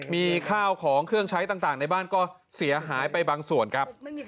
มีข้าวของเครื่องใช้ต่างในบ้านก็เสียหายไปบางส่วนครับ